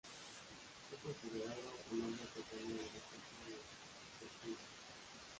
Fue considerado el hombre que planeó la Masacre de Ciaculli.